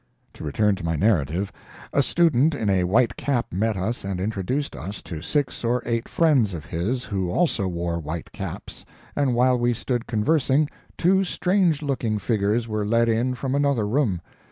To return to my narrative. A student in a white cap met us and introduced us to six or eight friends of his who also wore white caps, and while we stood conversing, two strange looking figures were led in from another room.